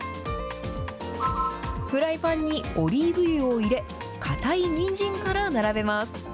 フライパンにオリーブ油を入れ、硬いニンジンから並べます。